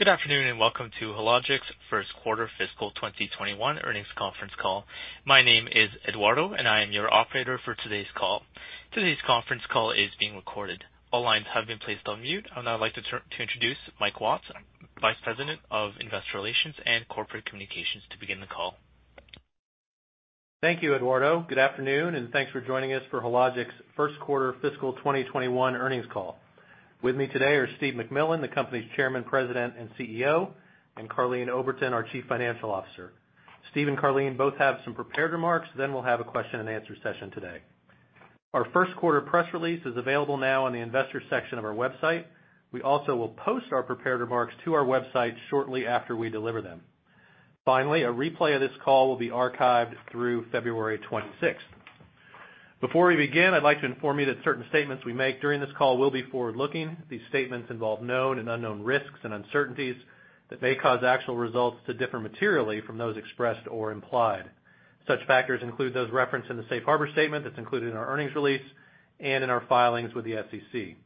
Good afternoon, and welcome to Hologic's First Quarter Fiscal 2021 Earnings Conference Call. My name is Eduardo, and I am your operator for today's call. Today's conference call is being recorded. All lines have been placed on mute. I'd now like to introduce Mike Watts, Vice President of Investor Relations and Corporate Communications, to begin the call. Thank you, Eduardo. Good afternoon, and thanks for joining us for Hologic's first quarter fiscal 2021 earnings call. With me today are Steve MacMillan, the company's Chairman, President, and CEO, and Karleen Oberton, our Chief Financial Officer. Steve and Karleen both have some prepared remarks. We'll have a question-and-answer session today. Our first quarter press release is available now in the Investors section of our website. We also will post our prepared remarks to our website shortly after we deliver them. A replay of this call will be archived through February 26th. Before we begin, I'd like to inform you that certain statements we make during this call will be forward-looking. These statements involve known and unknown risks and uncertainties that may cause actual results to differ materially from those expressed or implied. Such factors include those referenced in the safe harbor statement that's included in our earnings release and in our filings with the SEC.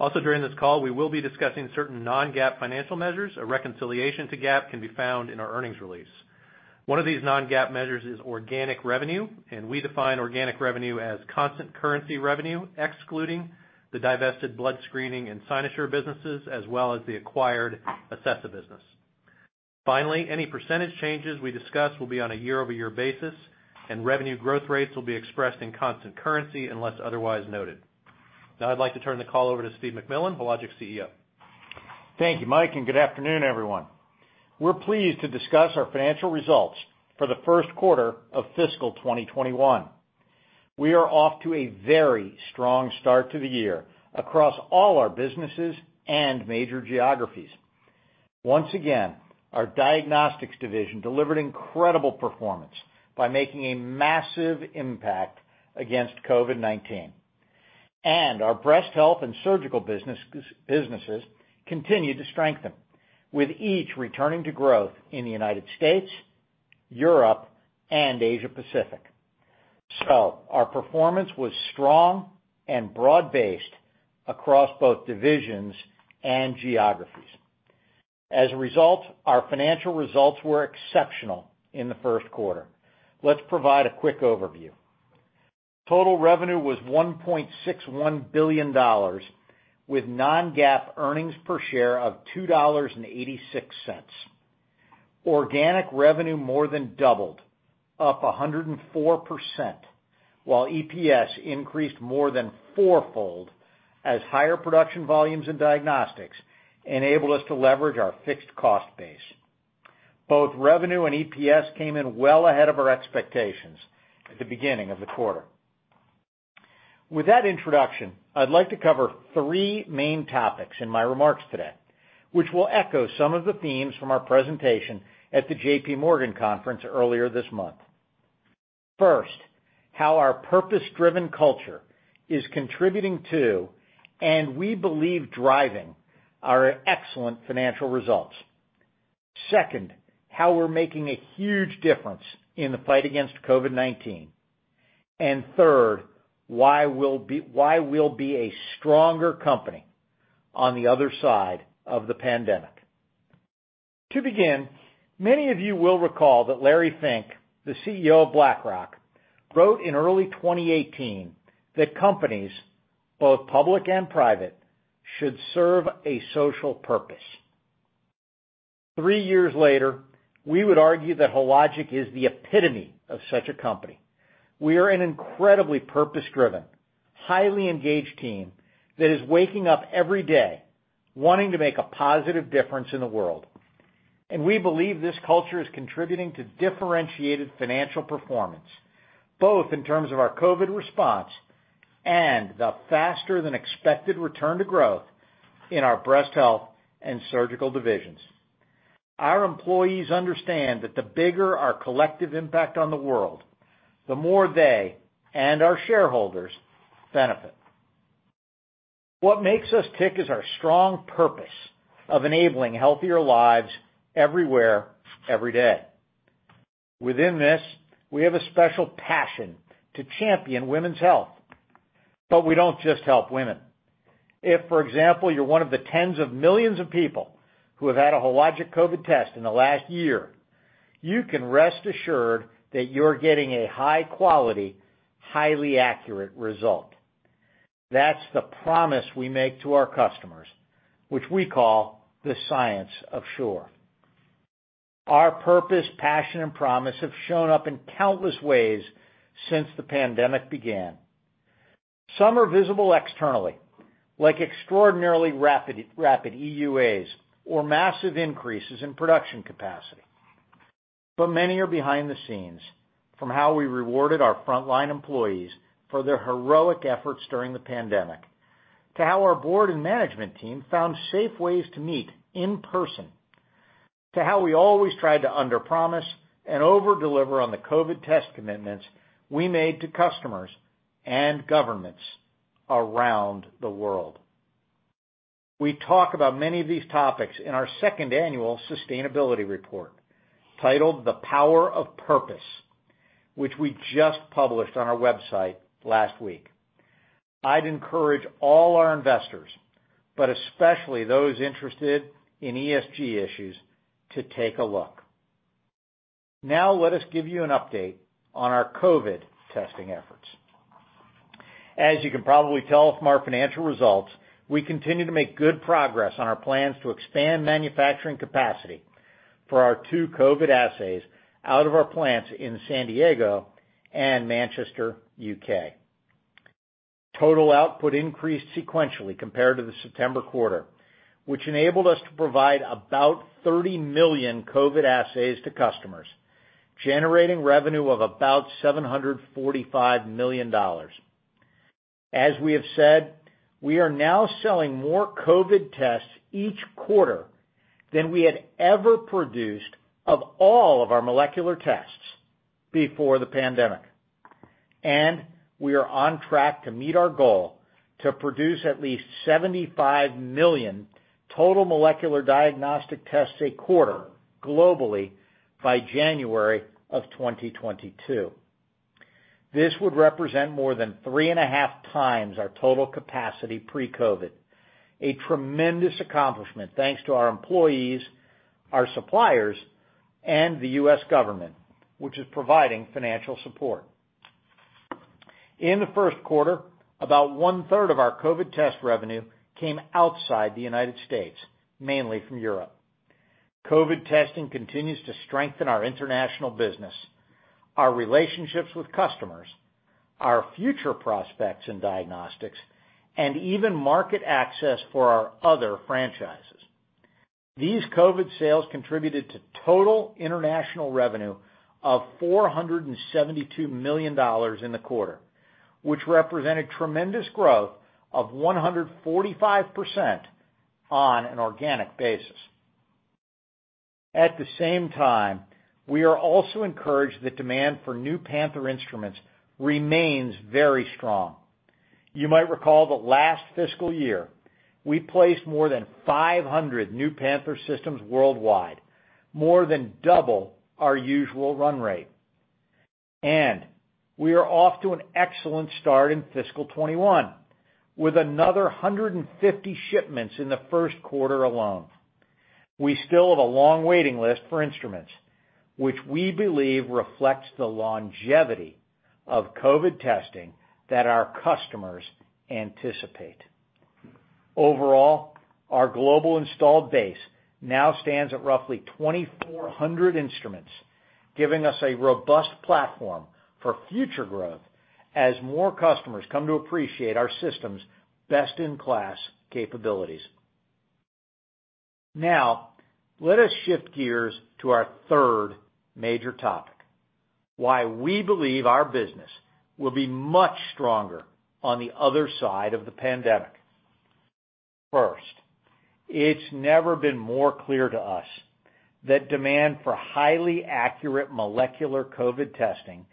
Also, during this call, we will be discussing certain non-GAAP financial measures. A reconciliation to GAAP can be found in our earnings release. One of these non-GAAP measures is organic revenue. We define organic revenue as constant currency revenue, excluding the divested blood screening and Cynosure businesses, as well as the acquired Acessa business. Finally, any percentage changes we discuss will be on a year-over-year basis. Revenue growth rates will be expressed in constant currency unless otherwise noted. Now I'd like to turn the call over to Steve MacMillan, Hologic's CEO. Thank you, Mike, and good afternoon, everyone. We're pleased to discuss our financial results for the first quarter of fiscal 2021. We are off to a very strong start to the year across all our businesses and major geographies. Once again, our diagnostics division delivered incredible performance by making a massive impact against COVID-19. Our breast health and surgical businesses continue to strengthen, with each returning to growth in the U.S., Europe, and Asia Pacific. Our performance was strong and broad-based across both divisions and geographies. As a result, our financial results were exceptional in the first quarter. Let's provide a quick overview. Total revenue was $1.61 billion with non-GAAP earnings per share of $2.86. Organic revenue more than doubled, up 104%, while EPS increased more than fourfold as higher production volumes in diagnostics enabled us to leverage our fixed cost base. Both revenue and EPS came in well ahead of our expectations at the beginning of the quarter. With that introduction, I'd like to cover three main topics in my remarks today, which will echo some of the themes from our presentation at the J.P. Morgan conference earlier this month. First, how our purpose-driven culture is contributing to, and we believe driving, our excellent financial results. Second, how we're making a huge difference in the fight against COVID-19. Third, why we'll be a stronger company on the other side of the pandemic. To begin, many of you will recall that Larry Fink, the CEO of BlackRock, wrote in early 2018 that companies, both public and private, should serve a social purpose. Three years later, we would argue that Hologic is the epitome of such a company. We are an incredibly purpose-driven, highly engaged team that is waking up every day wanting to make a positive difference in the world. We believe this culture is contributing to differentiated financial performance, both in terms of our COVID response and the faster than expected return to growth in our breast health and surgical divisions. Our employees understand that the bigger our collective impact on the world, the more they and our shareholders benefit. What makes us tick is our strong purpose of enabling healthier lives everywhere, every day. Within this, we have a special passion to champion women's health. We don't just help women. If, for example, you're one of the tens of millions of people who have had a Hologic COVID test in the last year, you can rest assured that you're getting a high quality, highly accurate result. That's the promise we make to our customers, which we call The Science of Sure. Our purpose, passion, and promise have shown up in countless ways since the pandemic began. Some are visible externally, like extraordinarily rapid EUAs or massive increases in production capacity. Many are behind the scenes, from how we rewarded our frontline employees for their heroic efforts during the pandemic, to how our board and management team found safe ways to meet in person, to how we always tried to under promise and overdeliver on the COVID test commitments we made to customers and governments around the world. We talk about many of these topics in our second annual sustainability report, titled "The Power of Purpose," which we just published on our website last week. I'd encourage all our investors, but especially those interested in ESG issues, to take a look. Now let us give you an update on our COVID testing efforts. As you can probably tell from our financial results, we continue to make good progress on our plans to expand manufacturing capacity for our two COVID assays out of our plants in San Diego and Manchester, U.K. Total output increased sequentially compared to the September quarter, which enabled us to provide about 30 million COVID assays to customers, generating revenue of about $745 million. As we have said, we are now selling more COVID tests each quarter than we had ever produced of all of our molecular tests before the pandemic. We are on track to meet our goal to produce at least 75 million total molecular diagnostic tests a quarter globally by January of 2022. This would represent more than 3.5x our total capacity pre-COVID, a tremendous accomplishment thanks to our employees, our suppliers, and the U.S. government, which is providing financial support. In the first quarter, about 1/3 of our COVID test revenue came outside the United States, mainly from Europe. COVID testing continues to strengthen our international business, our relationships with customers, our future prospects in diagnostics, and even market access for our other franchises. These COVID sales contributed to total international revenue of $472 million in the quarter, which represented tremendous growth of 145% on an organic basis. At the same time, we are also encouraged that demand for new Panther instruments remains very strong. You might recall that last fiscal year, we placed more than 500 new Panther systems worldwide, more than double our usual run rate. We are off to an excellent start in fiscal 2021, with another 150 shipments in the first quarter alone. We still have a long waiting list for instruments, which we believe reflects the longevity of COVID testing that our customers anticipate. Overall, our global installed base now stands at roughly 2,400 instruments, giving us a robust platform for future growth as more customers come to appreciate our system's best-in-class capabilities. Now, let us shift gears to our third major topic, why we believe our business will be much stronger on the other side of the pandemic. First, it's never been more clear to us that demand for highly accurate molecular COVID testing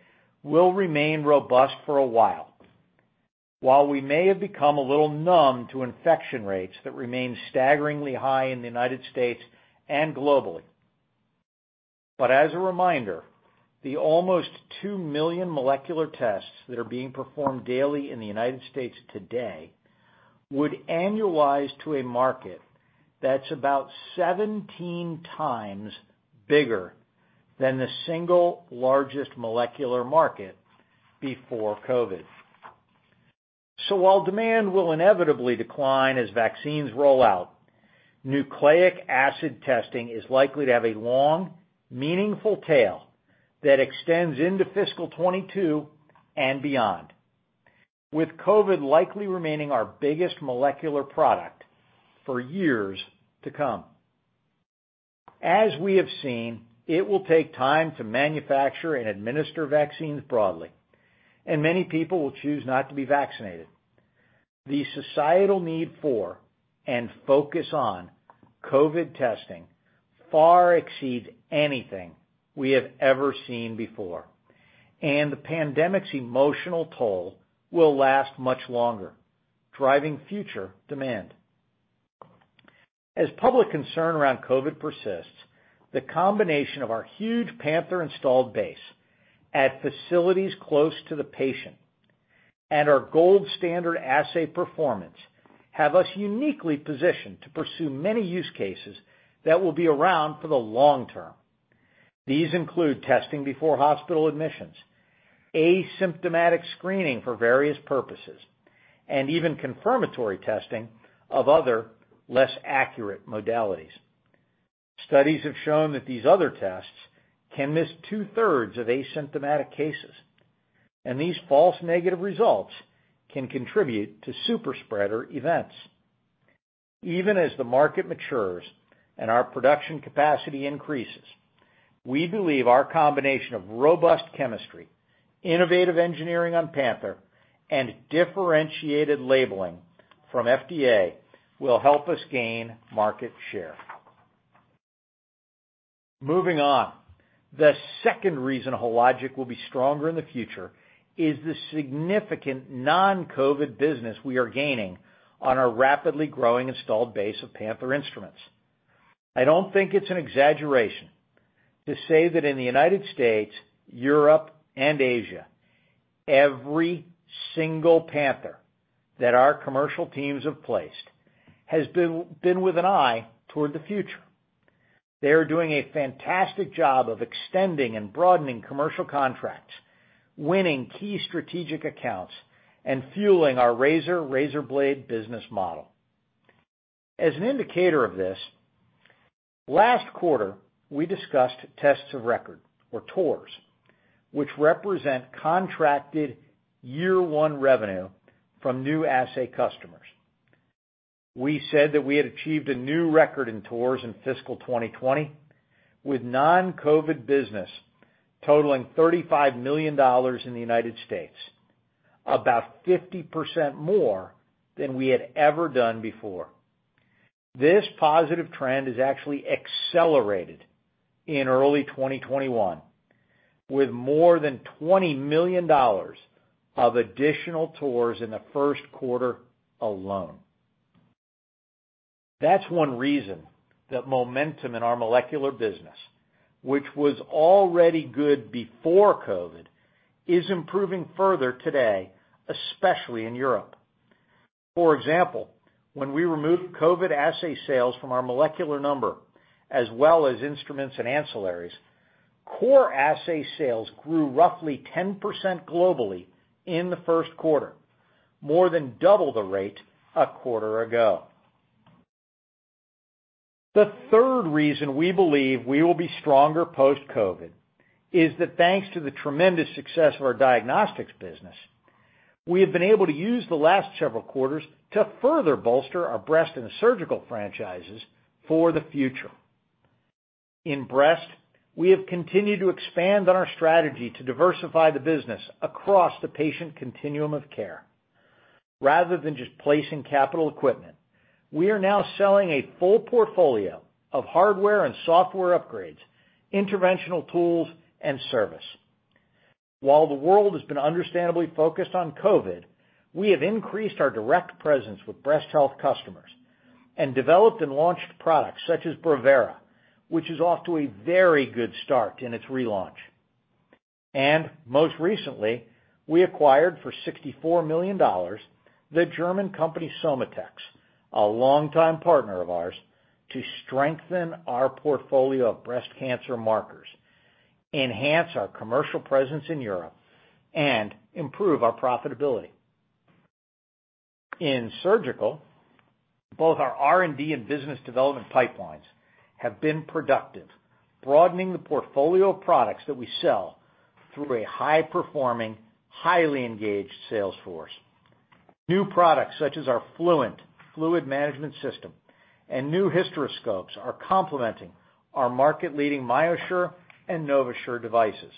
will remain robust for a while. While we may have become a little numb to infection rates that remain staggeringly high in the U.S., and globally. As a reminder, the almost 2 million molecular tests that are being performed daily in the U.S. today would annualize to a market that's about 17 times bigger than the single largest molecular market before COVID. While demand will inevitably decline as vaccines roll out, nucleic acid testing is likely to have a long, meaningful tail that extends into fiscal 2022 and beyond, with COVID likely remaining our biggest molecular product for years to come. As we have seen, it will take time to manufacture and administer vaccines broadly, and many people will choose not to be vaccinated. The societal need for and focus on COVID testing far exceeds anything we have ever seen before, and the pandemic's emotional toll will last much longer, driving future demand. As public concern around COVID persists, the combination of our huge Panther installed base at facilities close to the patient and our gold standard assay performance have us uniquely positioned to pursue many use cases that will be around for the long term. These include testing before hospital admissions, asymptomatic screening for various purposes, and even confirmatory testing of other, less accurate modalities. Studies have shown that these other tests can miss two-thirds of asymptomatic cases, and these false negative results can contribute to super-spreader events. Even as the market matures and our production capacity increases, we believe our combination of robust chemistry, innovative engineering on Panther, and differentiated labeling from FDA will help us gain market share. Moving on. The second reason Hologic will be stronger in the future is the significant non-COVID business we are gaining on our rapidly growing installed base of Panther instruments. I don't think it's an exaggeration to say that in the U.S., Europe, and Asia, every single Panther that our commercial teams have placed has been with an eye toward the future. They are doing a fantastic job of extending and broadening commercial contracts, winning key strategic accounts, and fueling our razor blade business model. As an indicator of this, last quarter, we discussed Tests of Record, or TORs, which represent contracted year one revenue from new assay customers. We said that we had achieved a new record in TORs in fiscal 2020, with non-COVID business totaling $35 million in the U.S., about 50% more than we had ever done before. This positive trend has actually accelerated in early 2021, with more than $20 million of additional TORs in the first quarter alone. That's one reason that momentum in our molecular business, which was already good before COVID, is improving further today, especially in Europe. For example, when we removed COVID assay sales from our molecular number, as well as instruments and ancillaries, core assay sales grew roughly 10% globally in the first quarter, more than double the rate a quarter ago. The third reason we believe we will be stronger post-COVID is that thanks to the tremendous success of our diagnostics business, we have been able to use the last several quarters to further bolster our breast and surgical franchises for the future. In breast, we have continued to expand on our strategy to diversify the business across the patient continuum of care. Rather than just placing capital equipment, we are now selling a full portfolio of hardware and software upgrades, interventional tools, and service. While the world has been understandably focused on COVID, we have increased our direct presence with breast health customers and developed and launched products such as Brevera, which is off to a very good start in its relaunch. Most recently, we acquired for $64 million the German company SOMATEX, a longtime partner of ours, to strengthen our portfolio of breast cancer markers, enhance our commercial presence in Europe, and improve our profitability. In surgical, both our R&D and business development pipelines have been productive, broadening the portfolio of products that we sell through a high-performing, highly engaged sales force. New products such as our Fluent fluid management system and new hysteroscopes are complementing our market-leading MyoSure and NovaSure devices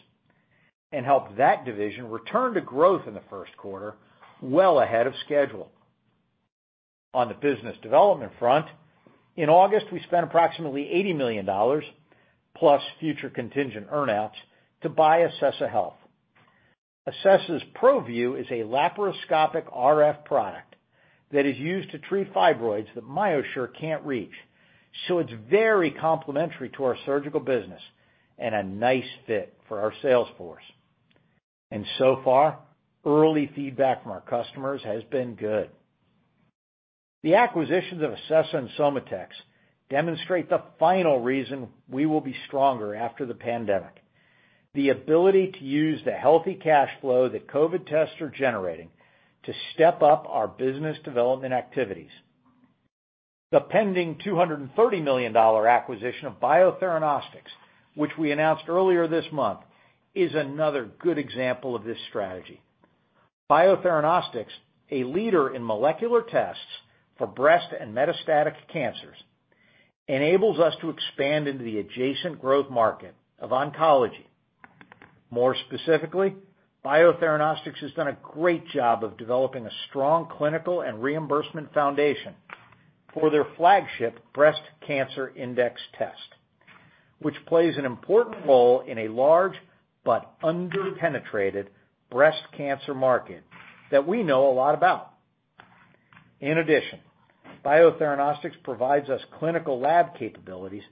and help that division return to growth in the first quarter well ahead of schedule. On the business development front, in August, we spent approximately $80 million plus future contingent earn-outs to buy Acessa Health. Acessa ProVu is a laparoscopic RF product that is used to treat fibroids that MyoSure can't reach, it's very complementary to our surgical business and a nice fit for our sales force. So far, early feedback from our customers has been good. The acquisitions of Acessa and SOMATEX demonstrate the final reason we will be stronger after the pandemic. The ability to use the healthy cash flow that COVID tests are generating to step up our business development activities. The pending $230 million acquisition of Biotheranostics, which we announced earlier this month, is another good example of this strategy. Biotheranostics, a leader in molecular tests for breast and metastatic cancers, enables us to expand into the adjacent growth market of oncology. More specifically, Biotheranostics has done a great job of developing a strong clinical and reimbursement foundation for their flagship Breast Cancer Index test, which plays an important role in a large but under-penetrated breast cancer market that we know a lot about. In addition, Biotheranostics provides us clinical lab capabilities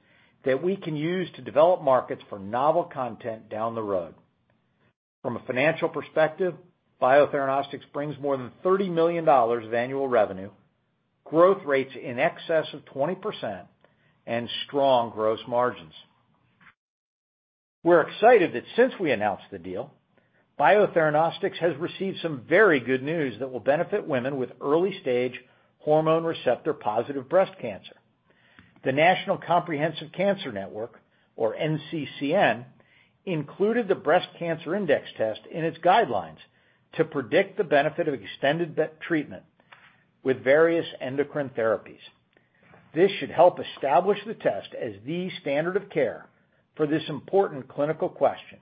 that we can use to develop markets for novel content down the road. From a financial perspective, Biotheranostics brings more than $30 million of annual revenue, growth rates in excess of 20%, and strong gross margins. We're excited that since we announced the deal, Biotheranostics has received some very good news that will benefit women with early-stage hormone receptor-positive breast cancer. The National Comprehensive Cancer Network, or NCCN, included the Breast Cancer Index test in its guidelines to predict the benefit of extended treatment with various endocrine therapies. This should help establish the test as the standard of care for this important clinical question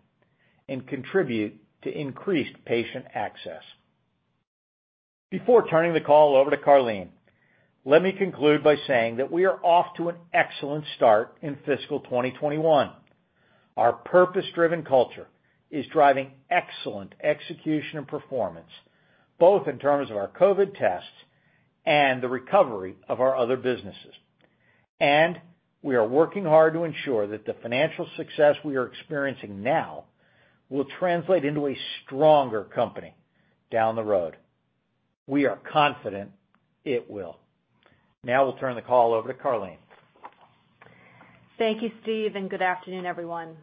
and contribute to increased patient access. Before turning the call over to Karleen, let me conclude by saying that we are off to an excellent start in fiscal 2021. Our purpose-driven culture is driving excellent execution and performance, both in terms of our COVID tests and the recovery of our other businesses. We are working hard to ensure that the financial success we are experiencing now will translate into a stronger company down the road. We are confident it will. Now I will turn the call over to Karleen. Thank you, Steve, and good afternoon, everyone.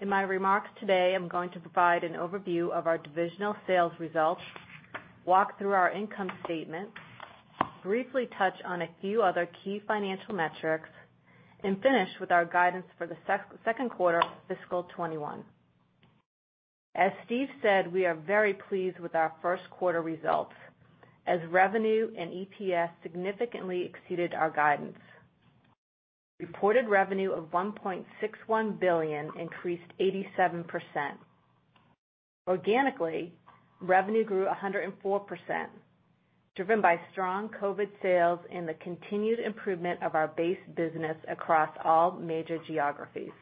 In my remarks today, I'm going to provide an overview of our divisional sales results, walk through our income statement, briefly touch on a few other key financial metrics, and finish with our guidance for the second quarter of fiscal 2021. As Steve said, we are very pleased with our first quarter results, as revenue and EPS significantly exceeded our guidance. Reported revenue of $1.61 billion increased 87%. Organically, revenue grew 104%, driven by strong COVID sales and the continued improvement of our base business across all major geographies.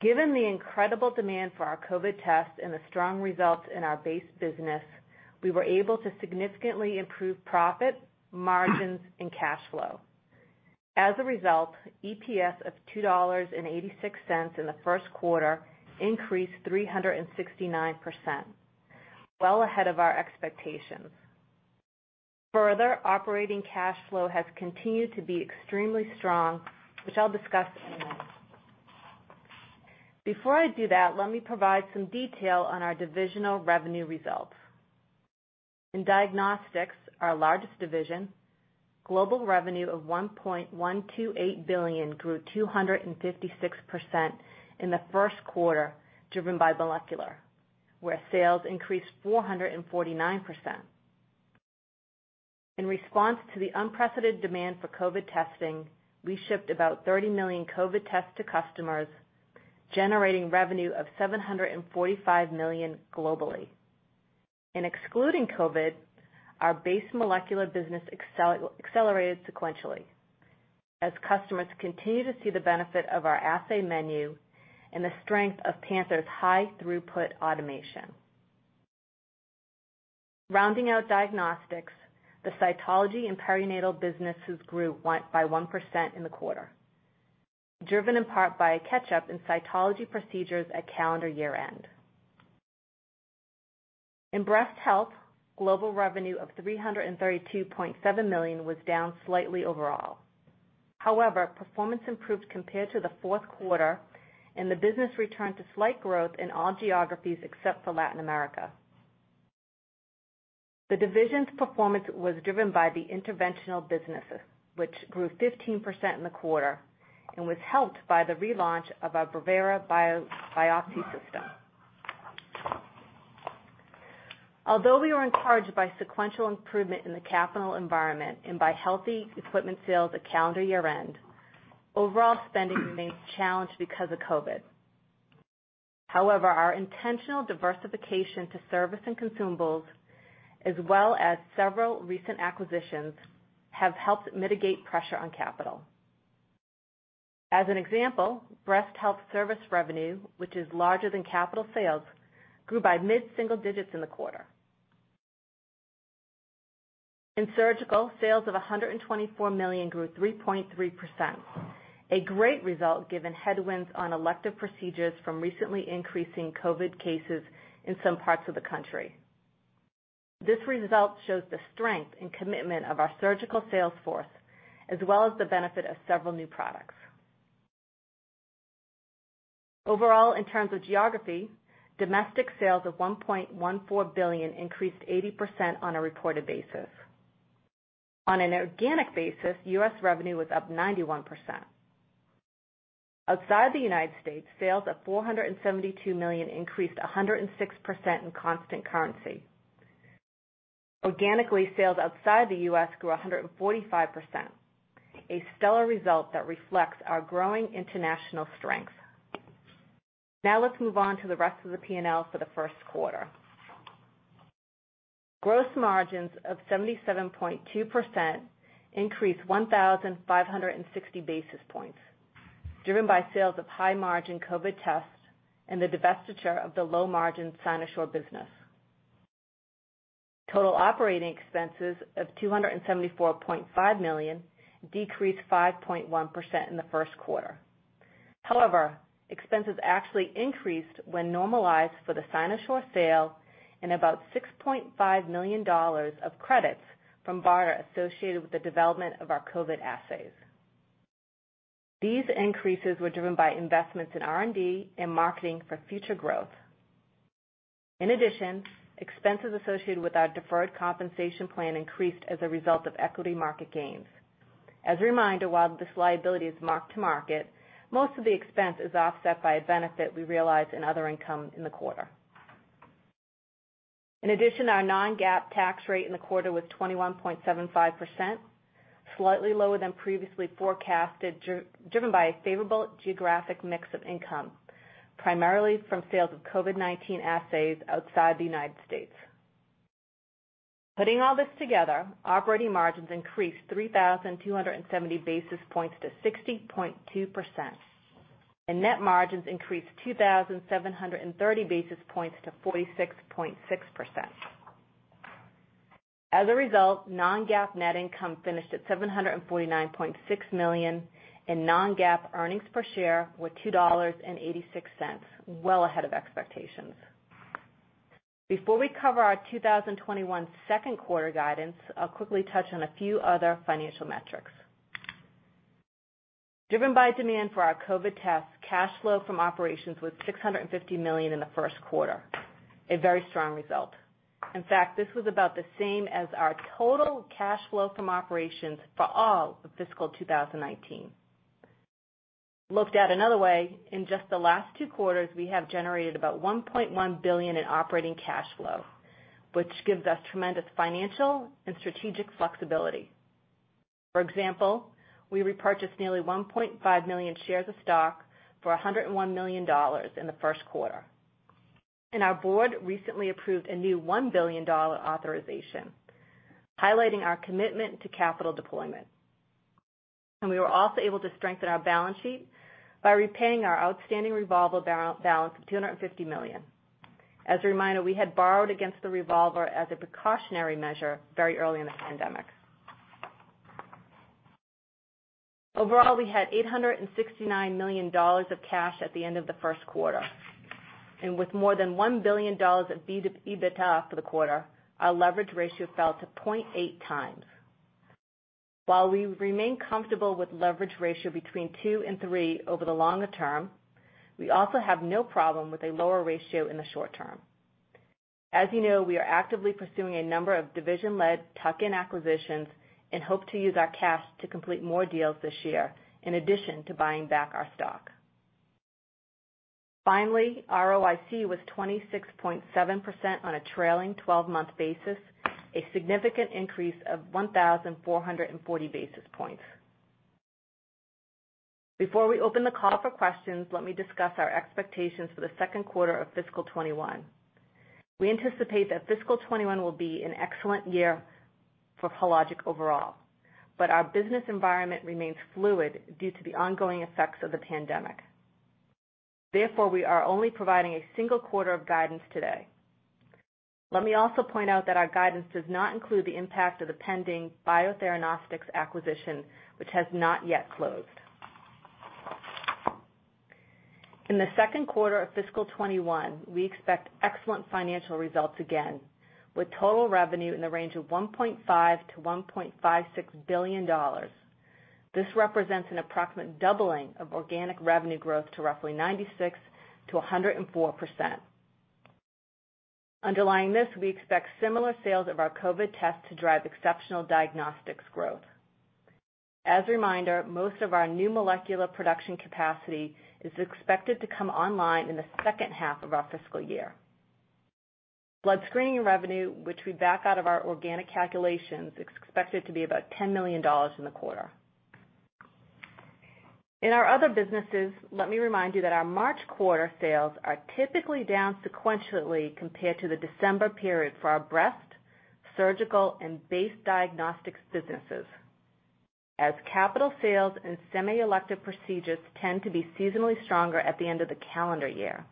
Given the incredible demand for our COVID tests and the strong results in our base business, we were able to significantly improve profit, margins, and cash flow. As a result, EPS of $2.86 in the first quarter increased 369%, well ahead of our expectations. Operating cash flow has continued to be extremely strong, which I'll discuss in a minute. Before I do that, let me provide some detail on our divisional revenue results. In Diagnostics, our largest division, global revenue of $1.128 billion grew 256% in the first quarter, driven by molecular, where sales increased 449%. In response to the unprecedented demand for COVID testing, we shipped about 30 million COVID tests to customers, generating revenue of $745 million globally. In excluding COVID, our base molecular business accelerated sequentially as customers continue to see the benefit of our assay menu and the strength of Panther's high throughput automation. Rounding out Diagnostics, the cytology and perinatal businesses grew by 1% in the quarter, driven in part by a catch-up in cytology procedures at calendar year-end. In Breast Health, global revenue of $332.7 million was down slightly overall. However, performance improved compared to the fourth quarter, and the business returned to slight growth in all geographies except for Latin America. The division's performance was driven by the interventional businesses, which grew 15% in the quarter and was helped by the relaunch of our Brevera biopsy system. Although we were encouraged by sequential improvement in the capital environment and by healthy equipment sales at calendar year-end, overall spending remains challenged because of COVID. However, our intentional diversification to service and consumables, as well as several recent acquisitions, have helped mitigate pressure on capital. As an example, breast health service revenue, which is larger than capital sales, grew by mid-single digits in the quarter. In surgical, sales of $124 million grew 3.3%, a great result given headwinds on elective procedures from recently increasing COVID cases in some parts of the country. This result shows the strength and commitment of our surgical sales force, as well as the benefit of several new products. Overall, in terms of geography, domestic sales of $1.14 billion increased 80% on a reported basis. On an organic basis, U.S. revenue was up 91%. Outside the United States, sales of $472 million increased 106% in constant currency. Organically, sales outside the U.S. grew 145%, a stellar result that reflects our growing international strength. Now let's move on to the rest of the P&L for the first quarter. Gross margins of 77.2% increased 1,560 basis points, driven by sales of high-margin COVID tests and the divestiture of the low-margin Cynosure business. Total operating expenses of $274.5 million decreased 5.1% in the first quarter. However, expenses actually increased when normalized for the Cynosure sale and about $6.5 million of credits from BARDA associated with the development of our COVID assays. These increases were driven by investments in R&D and marketing for future growth. Expenses associated with our deferred compensation plan increased as a result of equity market gains. As a reminder, while this liability is mark-to-market, most of the expense is offset by a benefit we realize in other income in the quarter. Our non-GAAP tax rate in the quarter was 21.75%, slightly lower than previously forecasted, driven by a favorable geographic mix of income, primarily from sales of COVID-19 assays outside the U.S. Putting all this together, operating margins increased 3,270 basis points to 60.2%. Net margins increased 2,730 basis points to 46.6%. As a result, non-GAAP net income finished at $749.6 million, and non-GAAP earnings per share were $2.86, well ahead of expectations. Before we cover our 2021 second quarter guidance, I'll quickly touch on a few other financial metrics. Driven by demand for our COVID tests, cash flow from operations was $650 million in the first quarter, a very strong result. In fact, this was about the same as our total cash flow from operations for all of fiscal 2019. Looked at another way, in just the last two quarters, we have generated about $1.1 billion in operating cash flow, which gives us tremendous financial and strategic flexibility. For example, we repurchased nearly 1.5 million shares of stock for $101 million in the first quarter. Our board recently approved a new $1 billion authorization, highlighting our commitment to capital deployment. We were also able to strengthen our balance sheet by repaying our outstanding revolver balance of $250 million. As a reminder, we had borrowed against the revolver as a precautionary measure very early in the pandemic. Overall, we had $869 million of cash at the end of the first quarter. With more than $1 billion of EBITDA for the quarter, our leverage ratio fell to 0.8x. While we remain comfortable with leverage ratio between two and three over the longer term, we also have no problem with a lower ratio in the short term. As you know, we are actively pursuing a number of division-led tuck-in acquisitions and hope to use our cash to complete more deals this year, in addition to buying back our stock. Finally, ROIC was 26.7% on a trailing 12-month basis, a significant increase of 1,440 basis points. Before we open the call for questions, let me discuss our expectations for the second quarter of fiscal 2021. We anticipate that fiscal 2021 will be an excellent year for Hologic overall, but our business environment remains fluid due to the ongoing effects of the pandemic. Therefore, we are only providing a single quarter of guidance today. Let me also point out that our guidance does not include the impact of the pending Biotheranostics acquisition, which has not yet closed. In the second quarter of fiscal 2021, we expect excellent financial results again, with total revenue in the range of $1.5 billion-$1.56 billion. This represents an approximate doubling of organic revenue growth to roughly 96%-104%. Underlying this, we expect similar sales of our COVID tests to drive exceptional diagnostics growth. As a reminder, most of our new molecular production capacity is expected to come online in the second half of our fiscal year. Blood screening revenue, which we back out of our organic calculations, is expected to be about $10 million in the quarter. In our other businesses, let me remind you that our March quarter sales are typically down sequentially compared to the December period for our breast, surgical, and base diagnostics businesses, as capital sales and semi-elective procedures tend to be seasonally stronger at the end of the calendar year.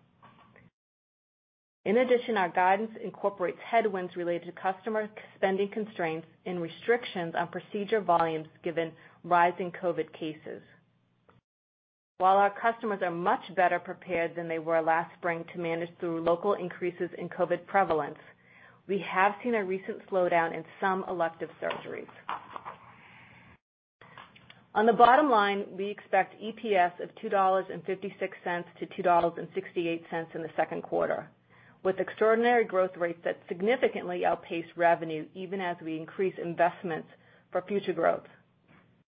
In addition, our guidance incorporates headwinds related to customer spending constraints and restrictions on procedure volumes given rise in COVID cases. While our customers are much better prepared than they were last spring to manage through local increases in COVID prevalence, we have seen a recent slowdown in some elective surgeries. On the bottom line, we expect EPS of $2.56-$2.68 in the second quarter, with extraordinary growth rates that significantly outpace revenue even as we increase investments for future growth.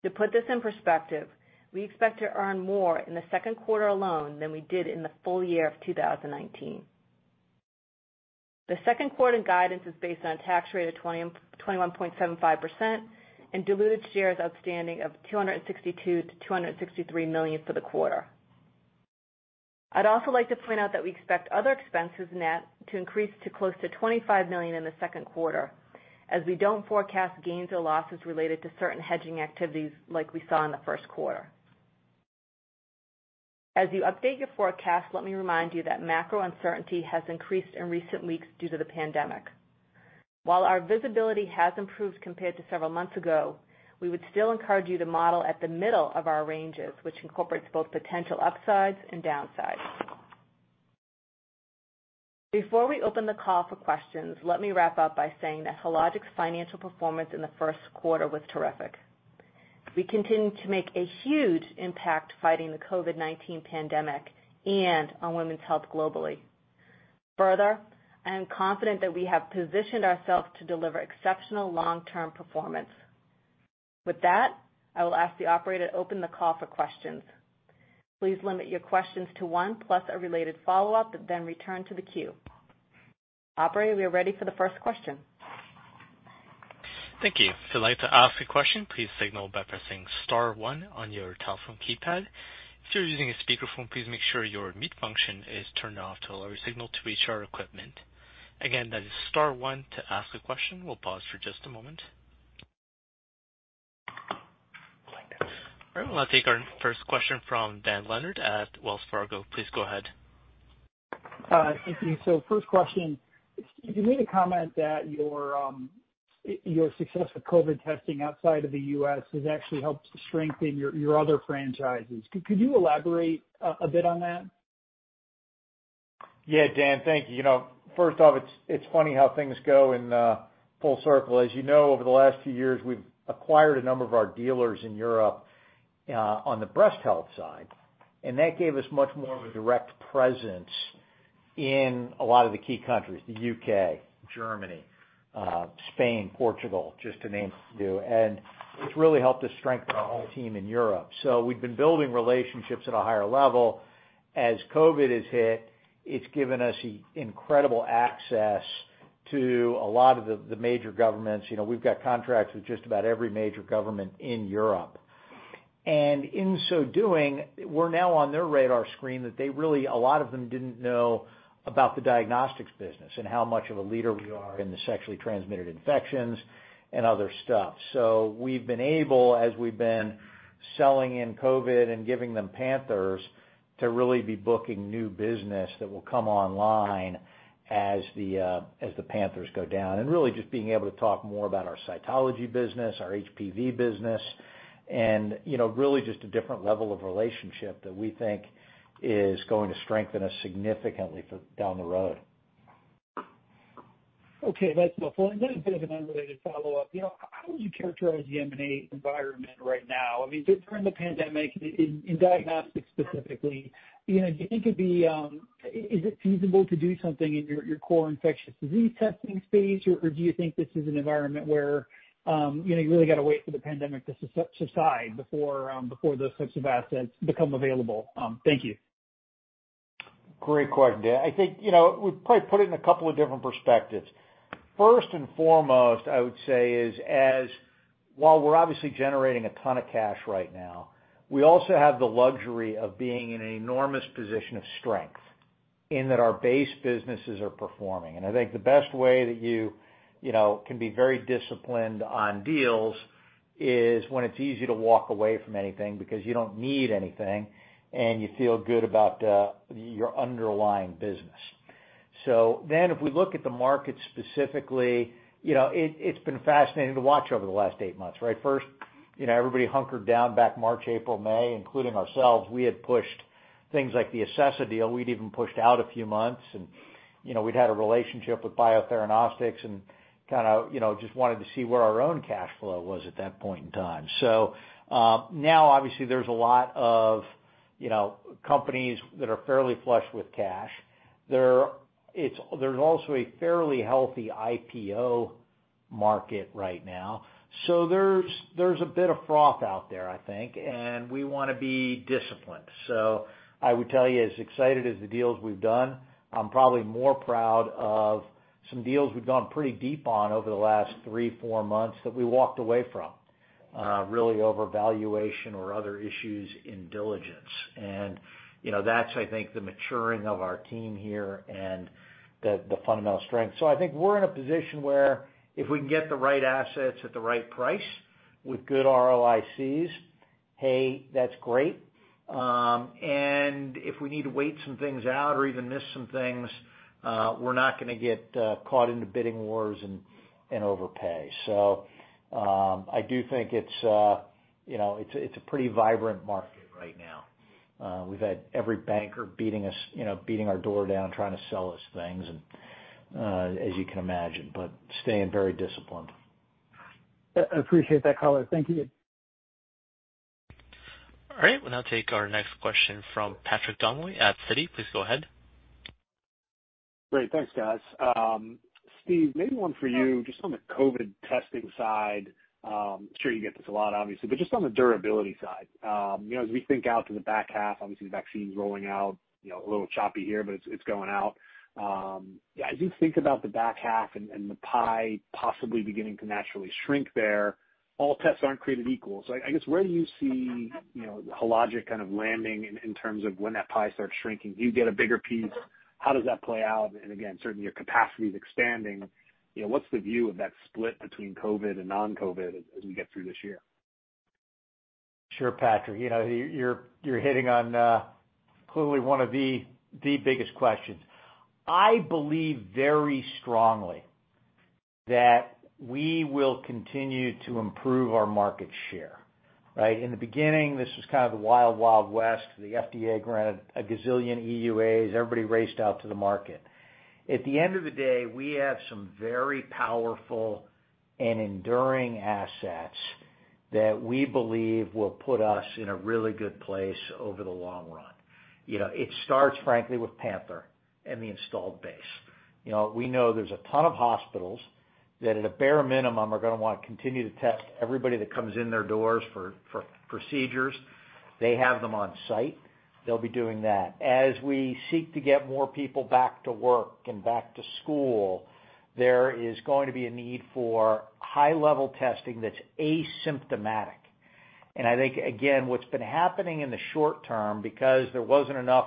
To put this in perspective, we expect to earn more in the second quarter alone than we did in the full year of 2019. The second quarter guidance is based on a tax rate of 21.75% and diluted shares outstanding of 262 million-263 million for the quarter. I'd also like to point out that we expect other expenses net to increase to close to $25 million in the second quarter, as we don't forecast gains or losses related to certain hedging activities like we saw in the first quarter. As you update your forecast, let me remind you that macro uncertainty has increased in recent weeks due to the pandemic. While our visibility has improved compared to several months ago, we would still encourage you to model at the middle of our ranges, which incorporates both potential upsides and downsides. Before we open the call for questions, let me wrap up by saying that Hologic's financial performance in the first quarter was terrific. We continue to make a huge impact fighting the COVID-19 pandemic and on women's health globally. Further, I am confident that we have positioned ourselves to deliver exceptional long-term performance. With that, I will ask the operator to open the call for questions. Please limit your questions to one plus a related follow-up, then return to the queue. Operator, we are ready for the first question. Thank you. If you'd like to ask a question, please signal by pressing star one on your telephone keypad. If you're using a speakerphone, please make sure your mute function is turned off to allow your signal to reach our equipment. Again, that is star one to ask a question. We'll pause for just a moment. All right, we'll take our first question from Dan Leonard at Wells Fargo. Please go ahead. Thank you. First question, Steve, you made a comment that your success with COVID testing outside of the U.S. has actually helped to strengthen your other franchises. Could you elaborate a bit on that? Yeah, Dan, thank you. First off, it's funny how things go in full circle. As you know, over the last few years, we've acquired a number of our dealers in Europe on the breast health side. That gave us much more of a direct presence in a lot of the key countries, the U.K., Germany, Spain, Portugal, just to name a few. It's really helped us strengthen our whole team in Europe. We've been building relationships at a higher level. As COVID has hit, it's given us incredible access to a lot of the major governments. We've got contracts with just about every major government in Europe. In so doing, we're now on their radar screen that they really, a lot of them didn't know about the diagnostics business and how much of a leader we are in the sexually transmitted infections and other stuff. We've been able, as we've been selling in COVID and giving them Panthers, to really be booking new business that will come online as the Panthers go down, and really just being able to talk more about our cytology business, our HPV business, and really just a different level of relationship that we think is going to strengthen us significantly down the road. Okay. That's helpful. Then a bit of an unrelated follow-up. How would you characterize the M&A environment right now? During the pandemic, in diagnostics specifically, do you think is it feasible to do something in your core infectious disease testing space? Do you think this is an environment where you really got to wait for the pandemic to subside before those types of assets become available? Thank you. Great question, Dan. I think, we'd probably put it in a couple of different perspectives. First and foremost, I would say is as while we're obviously generating a ton of cash right now, we also have the luxury of being in an enormous position of strength in that our base businesses are performing. I think the best way that you can be very disciplined on deals is when it's easy to walk away from anything because you don't need anything, and you feel good about your underlying business. If we look at the market specifically, it's been fascinating to watch over the last eight months, right? First, everybody hunkered down back March, April, May, including ourselves. We had pushed things like the Acessa deal. We'd even pushed out a few months and we'd had a relationship with Biotheranostics and kind of just wanted to see where our own cash flow was at that point in time. Now obviously there's a lot of companies that are fairly flush with cash. There's also a fairly healthy IPO market right now. There's a bit of froth out there, I think, and we want to be disciplined. I would tell you, as excited as the deals we've done, I'm probably more proud of some deals we've gone pretty deep on over the last three, four months that we walked away from, really over valuation or other issues in diligence. That's, I think, the maturing of our team here and the fundamental strength. I think we're in a position where if we can get the right assets at the right price with good ROICs, hey, that's great. If we need to wait some things out or even miss some things, we're not going to get caught into bidding wars and overpay. I do think it's a pretty vibrant market right now. We've had every banker beating our door down trying to sell us things and as you can imagine, but staying very disciplined. I appreciate that color. Thank you. All right. We'll now take our next question from Patrick Donnelly at Citi. Please go ahead. Great. Thanks, guys. Steve, maybe one for you just on the COVID testing side. I'm sure you get this a lot, obviously, but just on the durability side. As we think out to the back half, obviously vaccines rolling out, a little choppy here, but it's going out. As you think about the back half and the pie possibly beginning to naturally shrink there, all tests aren't created equal. I guess where do you see Hologic kind of landing in terms of when that pie starts shrinking? Do you get a bigger piece? How does that play out? Again, certainly your capacity is expanding. What's the view of that split between COVID and non-COVID as we get through this year? Sure, Patrick. You're hitting on clearly one of the biggest questions. I believe very strongly that we will continue to improve our market share. Right? In the beginning, this was kind of the wild west. The FDA granted a gazillion EUAs. Everybody raced out to the market. At the end of the day, we have some very powerful and enduring assets that we believe will put us in a really good place over the long run. It starts, frankly, with Panther and the installed base. We know there's a ton of hospitals that at a bare minimum are going to want to continue to test everybody that comes in their doors for procedures. They have them on site. They'll be doing that. As we seek to get more people back to work and back to school, there is going to be a need for high-level testing that's asymptomatic. I think, again, what's been happening in the short term, because there wasn't enough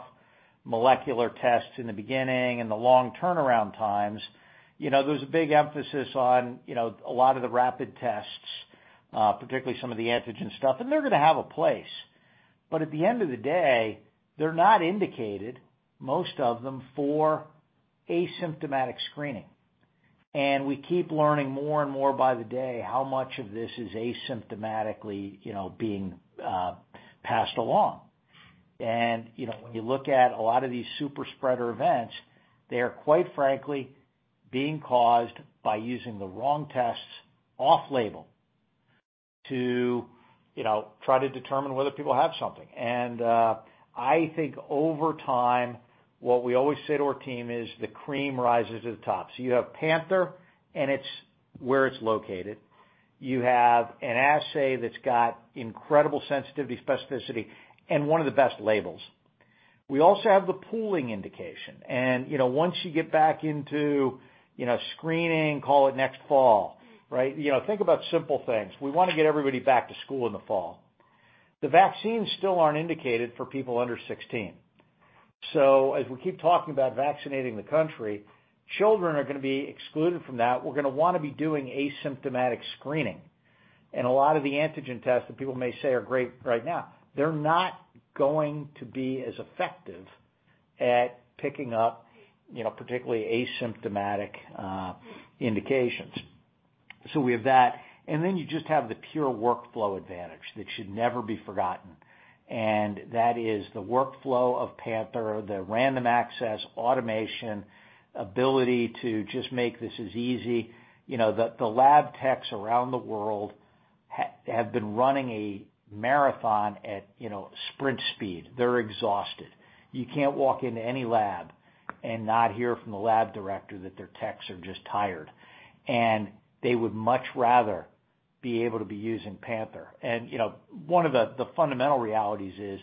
molecular tests in the beginning and the long turnaround times, there was a big emphasis on a lot of the rapid tests, particularly some of the antigen stuff, and they're going to have a place. At the end of the day, they're not indicated, most of them, for asymptomatic screening. We keep learning more and more by the day how much of this is asymptomatically being passed along. When you look at a lot of these super spreader events, they are, quite frankly, being caused by using the wrong tests off-label to try to determine whether people have something. I think over time, what we always say to our team is the cream rises to the top. You have Panther and where it's located. You have an assay that's got incredible sensitivity, specificity, and one of the best labels. We also have the pooling indication, and once you get back into screening, call it next fall, right? Think about simple things. We want to get everybody back to school in the fall. The vaccines still aren't indicated for people under 16. As we keep talking about vaccinating the country, children are going to be excluded from that. We're going to want to be doing asymptomatic screening. A lot of the antigen tests that people may say are great right now, they're not going to be as effective at picking up particularly asymptomatic indications. We have that, and then you just have the pure workflow advantage that should never be forgotten. That is the workflow of Panther, the random access automation ability to just make this as easy. The lab techs around the world have been running a marathon at sprint speed. They're exhausted. You can't walk into any lab and not hear from the lab director that their techs are just tired, and they would much rather be able to be using Panther. One of the fundamental realities is,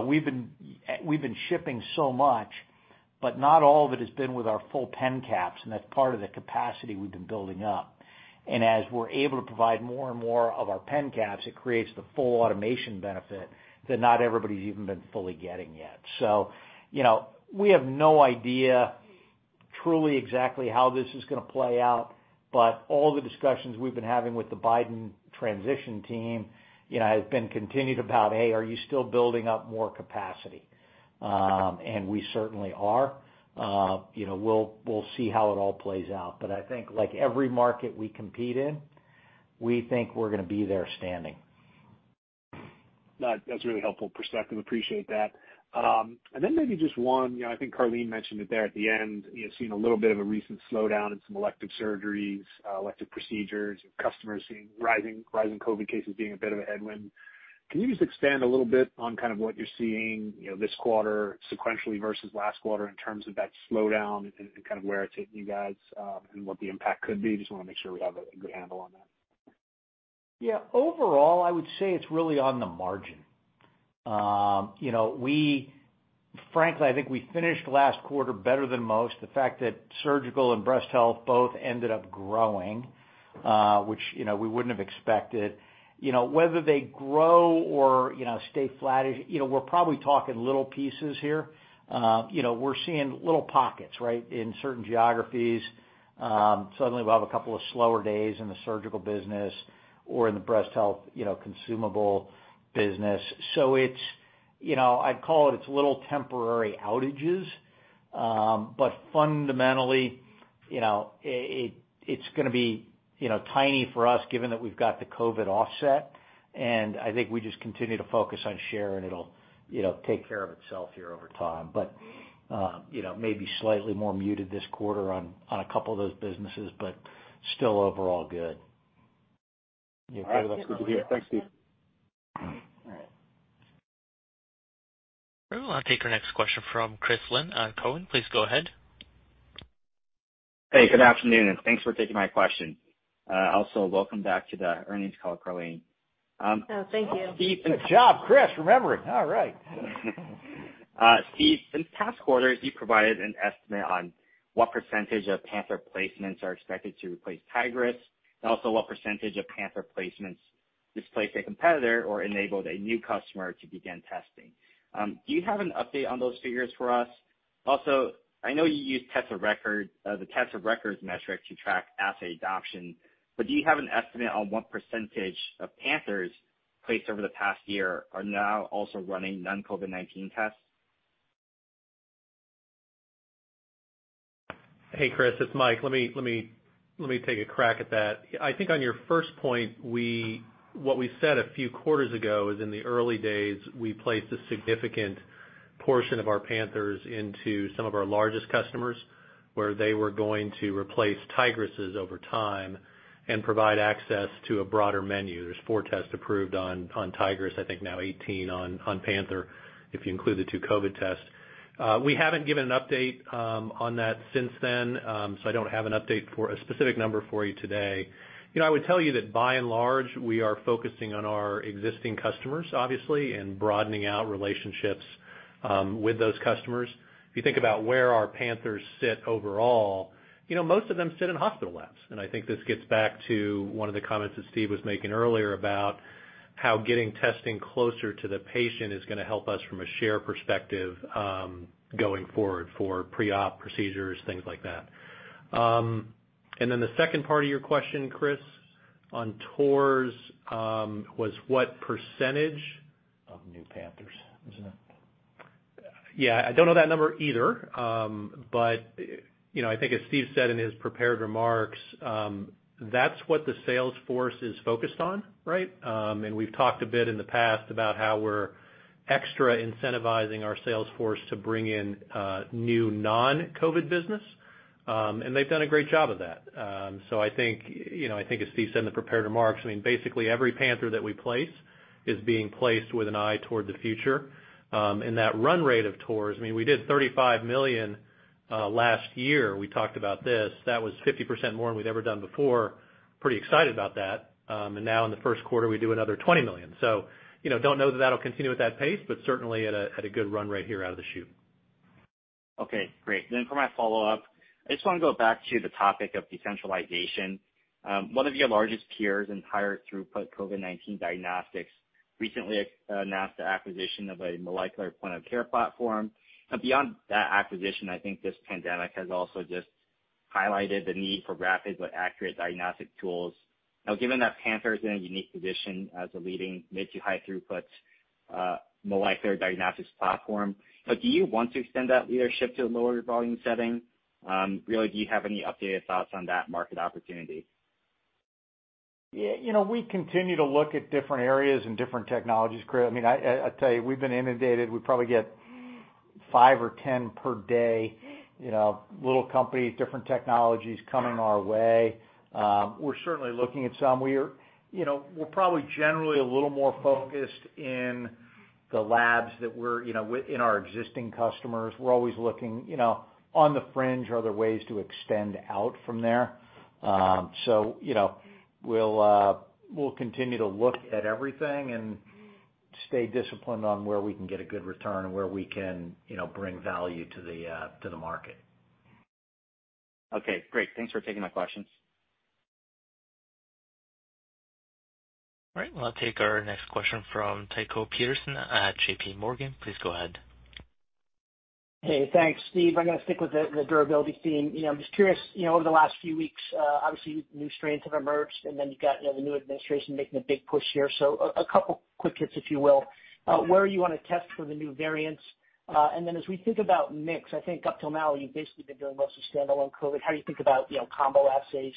we've been shipping so much, but not all of it has been with our full Panther caps, and that's part of the capacity we've been building up. As we're able to provide more and more of our Panther caps, it creates the full automation benefit that not everybody's even been fully getting yet. We have no idea truly exactly how this is going to play out. All the discussions we've been having with the Biden transition team has been continued about, "Hey, are you still building up more capacity?" We certainly are. We'll see how it all plays out. I think like every market we compete in, we think we're going to be there standing. That's a really helpful perspective. Appreciate that. Maybe just one, I think Karleen mentioned it there at the end, seeing a little bit of a recent slowdown in some elective surgeries, elective procedures, and customers seeing rising COVID cases being a bit of a headwind. Can you just expand a little bit on what you're seeing this quarter sequentially versus last quarter in terms of that slowdown and where it's hitting you guys, and what the impact could be? Just want to make sure we have a good handle on that. Yeah. Overall, I would say it's really on the margin. Frankly, I think we finished last quarter better than most. The fact that surgical and breast health both ended up growing, which we wouldn't have expected. Whether they grow or stay flat, we're probably talking little pieces here. We're seeing little pockets, right, in certain geographies. Suddenly we'll have a couple of slower days in the surgical business or in the breast health consumable business. I'd call it it's little temporary outages. Fundamentally, it's going to be tiny for us given that we've got the COVID offset, and I think we just continue to focus on share and it'll take care of itself here over time. Maybe slightly more muted this quarter on a couple of those businesses, but still overall good. All right. That's good to hear. Thanks, Steve. All right. Great. We'll now take our next question from Chris Lin at Cowen. Please go ahead. Hey, good afternoon, thanks for taking my question. Welcome back to the earnings call, Karleen. Oh, thank you. Good job, Chris, remembering. All right. Steve, in past quarters, you provided an estimate on what percentage of Panther placements are expected to replace Tigris, and also what percentage of Panther placements displaced a competitor or enabled a new customer to begin testing. Do you have an update on those figures for us? Also, I know you use the tests of records metric to track assay adoption, but do you have an estimate on what percentage of Panthers placed over the past year are now also running non-COVID-19 tests? Hey, Chris. It's Mike. Let me take a crack at that. I think on your first point, what we said a few quarters ago is in the early days, we placed a significant portion of our Panthers into some of our largest customers, where they were going to replace Tigris' over time and provide access to a broader menu. There's four tests approved on Tigris, I think now 18 on Panther, if you include the two COVID tests. We haven't given an update on that since then. I don't have an update for a specific number for you today. I would tell you that by and large, we are focusing on our existing customers, obviously, and broadening out relationships with those customers. If you think about where our Panthers sit overall, most of them sit in hospital labs. I think this gets back to one of the comments that Steve was making earlier about how getting testing closer to the patient is going to help us from a share perspective, going forward for pre-op procedures, things like that. The second part of your question, Chris, on TORs, was what percentage- Of new Panthers, isn't it? Yeah. I don't know that number either. I think as Steve said in his prepared remarks, that's what the sales force is focused on, right? We've talked a bit in the past about how we're extra incentivizing our sales force to bring in new non-COVID business. They've done a great job of that. I think as Steve said in the prepared remarks, basically every Panther that we place is being placed with an eye toward the future. That run rate of TORs, we did $35 million last year. We talked about this. That was 50% more than we'd ever done before. Pretty excited about that. Now in the first quarter, we do another $20 million. Don't know that will continue at that pace, but certainly at a good run right here out of the chute. Okay, great. For my follow-up, I just want to go back to the topic of decentralization. One of your largest peers in higher throughput COVID-19 diagnostics recently announced the acquisition of a molecular point-of-care platform. Beyond that acquisition, I think this pandemic has also just highlighted the need for rapid but accurate diagnostic tools. Given that Panther is in a unique position as a leading mid-to high throughput molecular diagnostics platform, do you want to extend that leadership to a lower volume setting? Do you have any updated thoughts on that market opportunity? Yeah, we continue to look at different areas and different technologies, Chris. I tell you, we've been inundated. We probably get five or 10 per day, little companies, different technologies coming our way. We're certainly looking at some. We're probably generally a little more focused in the labs in our existing customers. We're always looking on the fringe. Are there ways to extend out from there? We'll continue to look at everything and stay disciplined on where we can get a good return and where we can bring value to the market. Okay, great. Thanks for taking my questions. All right, we'll take our next question from Tycho Peterson at J.P. Morgan. Please go ahead. Hey, thanks. Steve, I'm going to stick with the durability theme. I'm just curious, over the last few weeks, obviously new strains have emerged, and then you've got the new administration making a big push here. A couple quick hits, if you will. Where are you on a test for the new variants? As we think about mix, I think up till now, you've basically been doing mostly standalone COVID. How do you think about combo assays,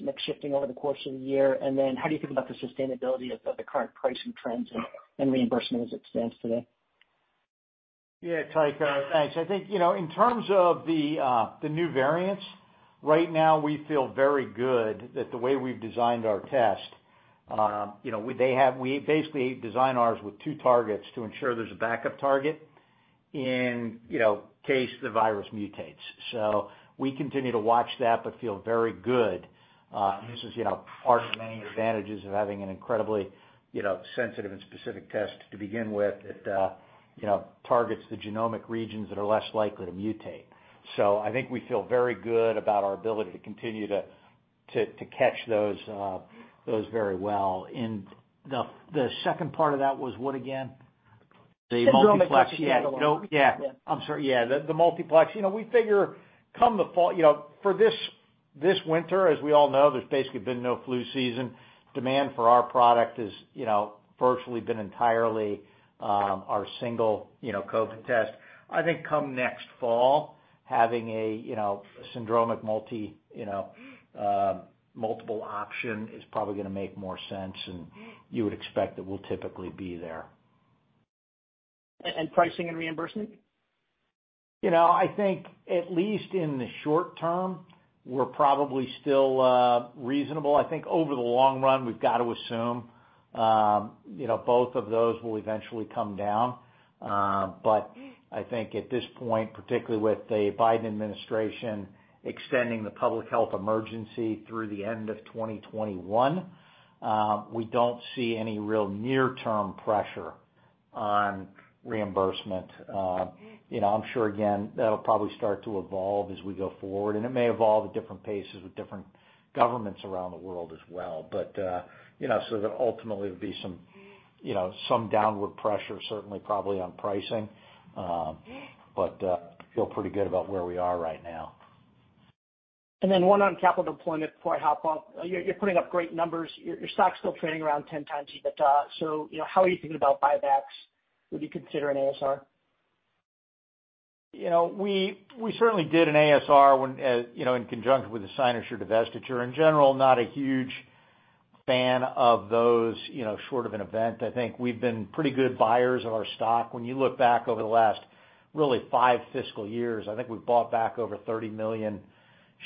mix shifting over the course of the year, and then how do you think about the sustainability of the current pricing trends and reimbursement as it stands today? Yeah. Tycho, thanks. I think, in terms of the new variants, right now we feel very good that the way we've designed our test. We basically design ours with two targets to ensure there's a backup target in case the virus mutates. We continue to watch that, but feel very good. This is part of the many advantages of having an incredibly sensitive and specific test to begin with. It targets the genomic regions that are less likely to mutate. I think we feel very good about our ability to continue to catch those very well. The second part of that was what again? The genomic. The multiplex, yeah. I'm sorry. Yeah, the multiplex. We figure for this winter, as we all know, there's basically been no flu season. Demand for our product has virtually been entirely our single COVID test. I think come next fall, having a syndromic multiple option is probably going to make more sense, and you would expect that we'll typically be there. Pricing and reimbursement? I think at least in the short term, we're probably still reasonable. I think over the long run, we've got to assume both of those will eventually come down. I think at this point, particularly with the Biden administration extending the public health emergency through the end of 2021, we don't see any real near-term pressure on reimbursement. I'm sure, again, that'll probably start to evolve as we go forward, and it may evolve at different paces with different governments around the world as well. There ultimately will be some downward pressure, certainly, probably on pricing. Feel pretty good about where we are right now. One on capital deployment before I hop off. You're putting up great numbers. Your stock's still trading around 10x EBITDA. How are you thinking about buybacks? Would you consider an ASR? We certainly did an ASR in conjunction with the Cynosure divestiture. In general, not a huge fan of those short of an event. I think we've been pretty good buyers of our stock. When you look back over the last, really, five fiscal years, I think we've bought back over 30 million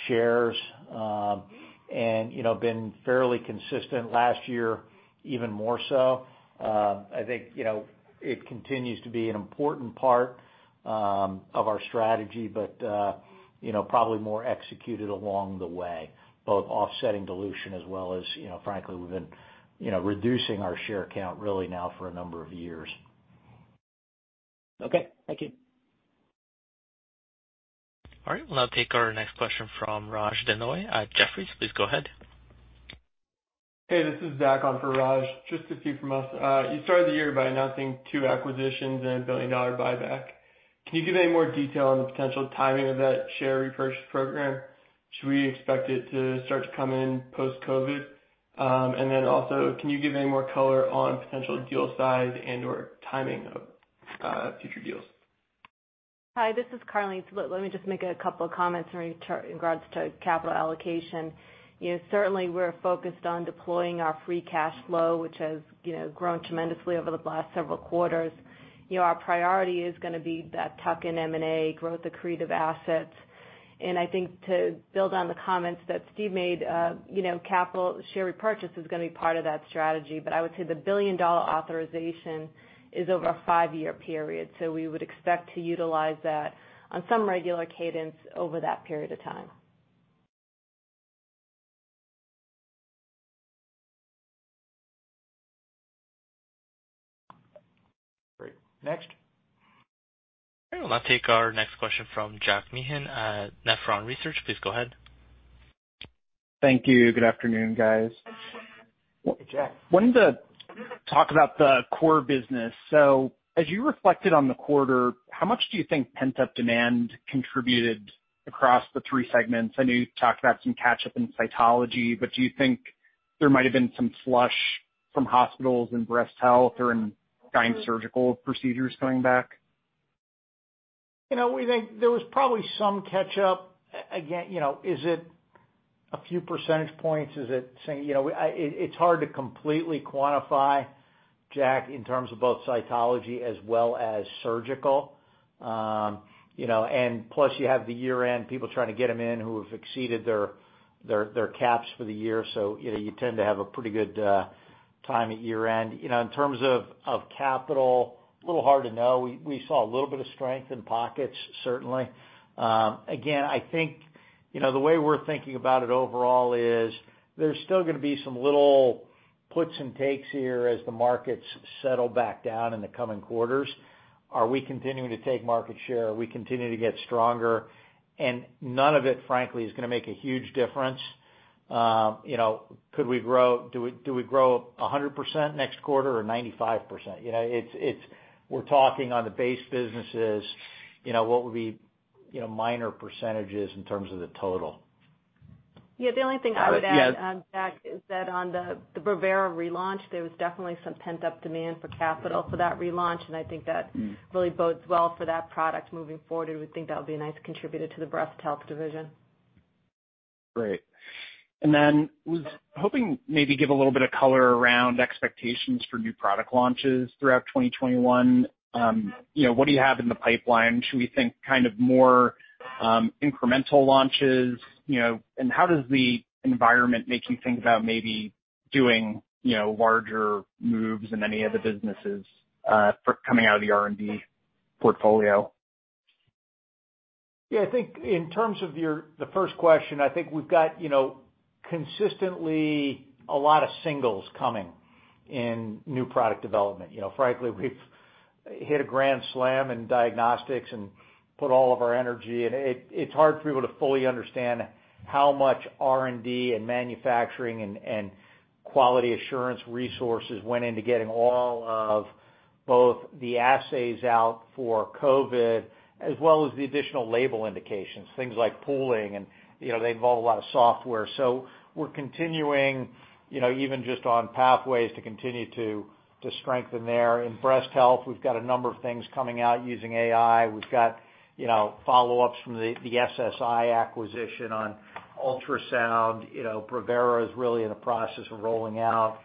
shares and been fairly consistent. Last year, even more so. I think it continues to be an important part of our strategy, probably more executed along the way, both offsetting dilution as well as, frankly, we've been reducing our share count really now for a number of years. Okay, thank you. All right. We'll now take our next question from Raj Denhoy at Jefferies. Please go ahead. Hey, this is Zach on for Raj. Just a few from us. You started the year by announcing two acquisitions and a billion-dollar buyback. Can you give any more detail on the potential timing of that share repurchase program? Should we expect it to start to come in post-COVID? Also, can you give any more color on potential deal size and/or timing of future deals? Hi, this is Karleen. Let me just make a couple of comments in regards to capital allocation. Certainly, we're focused on deploying our free cash flow, which has grown tremendously over the last several quarters. Our priority is going to be tuck-in M&A, growth accretive assets. I think to build on the comments that Steve made, share repurchase is going to be part of that strategy. I would say the billion-dollar authorization is over a five-year period, we would expect to utilize that on some regular cadence over that period of time. Great. Next. Okay. We'll now take our next question from Jack Meehan at Nephron Research. Please go ahead. Thank you. Good afternoon, guys. Hey, Jack. wanted to talk about the core business. As you reflected on the quarter, how much do you think pent-up demand contributed across the three segments? I know you talked about some catch-up in cytology, do you think there might've been some flush from hospitals in breast health or in kind of surgical procedures coming back? We think there was probably some catch-up. Again, is it a few percentage points? It's hard to completely quantify, Jack, in terms of both cytology as well as surgical. Plus you have the year-end, people trying to get them in who have exceeded their caps for the year. You tend to have a pretty good time at year-end. In terms of capital, a little hard to know. We saw a little bit of strength in pockets, certainly. Again, I think the way we're thinking about it overall is there's still going to be some little puts and takes here as the markets settle back down in the coming quarters. Are we continuing to take market share? Are we continuing to get stronger? None of it, frankly, is going to make a huge difference. Do we grow 100% next quarter or 95%? We're talking on the base businesses, what would be minor percentages in terms of the total. The only thing I would add, Jack, is that on the Brevera relaunch, there was definitely some pent-up demand for capital for that relaunch, and I think that really bodes well for that product moving forward, and we think that'll be a nice contributor to the breast health division. Great. Was hoping maybe give a little bit of color around expectations for new product launches throughout 2021. What do you have in the pipeline? Should we think kind of more incremental launches? How does the environment make you think about maybe doing larger moves in any of the businesses coming out of the R&D portfolio? Yeah, I think in terms of the first question, I think we've got consistently a lot of singles coming in new product development. Frankly, we've hit a grand slam in diagnostics and put all of our energy, and it's hard for people to fully understand how much R&D and manufacturing and quality assurance resources went into getting all of both the assays out for COVID, as well as the additional label indications, things like pooling, and they involve a lot of software. We're continuing, even just on pathways, to continue to strengthen there. In breast health, we've got a number of things coming out using AI. We've got follow-ups from the SSI acquisition on ultrasound. Brevera is really in the process of rolling out.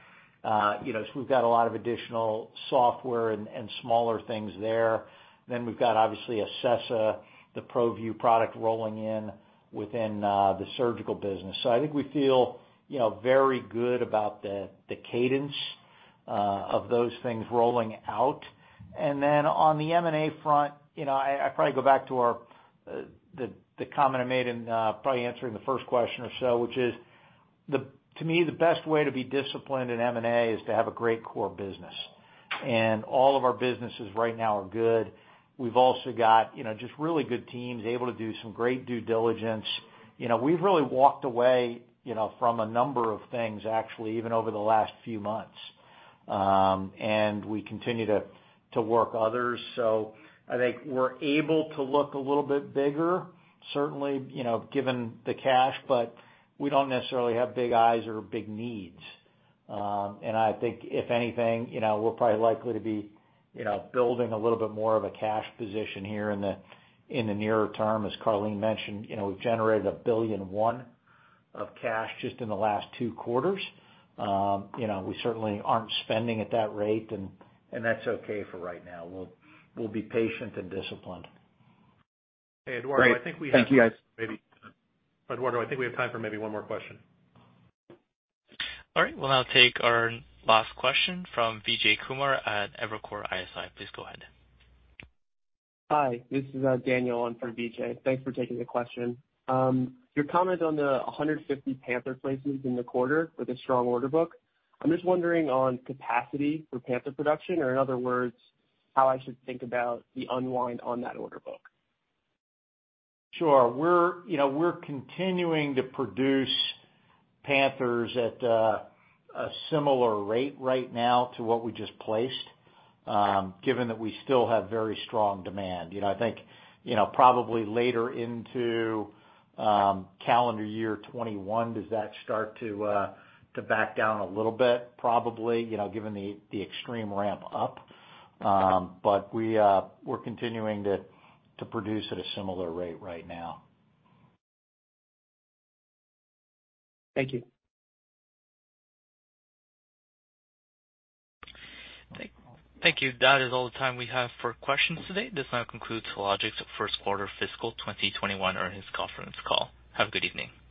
We've got a lot of additional software and smaller things there. We've got, obviously, Acessa, the ProVu product rolling in within the surgical business. I think we feel very good about the cadence of those things rolling out. On the M&A front, I'd probably go back to the comment I made in probably answering the first question or so, which is, to me, the best way to be disciplined in M&A is to have a great core business. All of our businesses right now are good. We've also got just really good teams able to do some great due diligence. We've really walked away from a number of things, actually, even over the last few months. We continue to work others. I think we're able to look a little bit bigger, certainly, given the cash, but we don't necessarily have big eyes or big needs. I think if anything, we're probably likely to be building a little bit more of a cash position here in the nearer term. As Karleen mentioned, we've generated $1.1 billion of cash just in the last two quarters. We certainly aren't spending at that rate, and that's okay for right now. We'll be patient and disciplined. Great. Thank you, guys. Eduardo, I think we have time for maybe one more question. All right. We'll now take our last question from Vijay Kumar at Evercore ISI. Please go ahead. Hi, this is Daniel on for Vijay. Thanks for taking the question. Your comment on the 150 Panther placements in the quarter with a strong order book, I'm just wondering on capacity for Panther production, or in other words, how I should think about the unwind on that order book. Sure. We're continuing to produce Panthers at a similar rate right now to what we just placed, given that we still have very strong demand. I think probably later into calendar year 2021 does that start to back down a little bit, probably, given the extreme ramp up. We're continuing to produce at a similar rate right now. Thank you. Thank you. That is all the time we have for questions today. This now concludes Hologic's first quarter fiscal 2021 earnings conference call. Have a good evening.